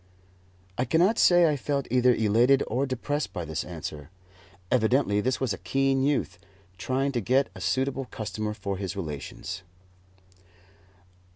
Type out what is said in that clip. I cannot say I felt either elated or depressed by this answer. Evidently this was a keen youth, trying to get a suitable customer for his relations.